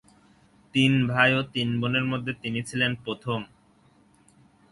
তিন ভাই ও তিন বোনের মধ্যে তিনি ছিলেন প্রথম।